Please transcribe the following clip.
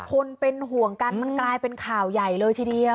คนเป็นห่วงกันมันกลายเป็นข่าวใหญ่เลยทีเดียว